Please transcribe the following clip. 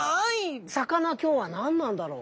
魚今日は何なんだろう？